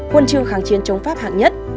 huân chương kháng chiến chống pháp hạng nhất